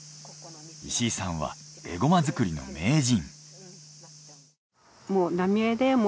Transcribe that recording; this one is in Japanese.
石井さんはえごま作りの名人。